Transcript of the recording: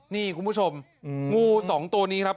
นี่คุณผู้ชมงูสองตัวนี้ครับ